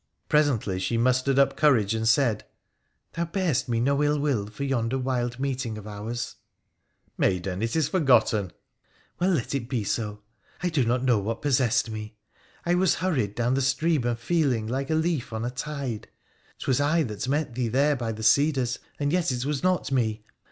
Presently she mustered up courage and said :—' Thou bear'st me no ill will for yonder wild meeting ol ours ?'' Maiden, it is forgotten !' I Well, let it be so. I do not know what possessed me. I "was hurried down the stream of feeling like a leaf on a tide, 'Twas I that met thee there by the cedars, and yet it was not me.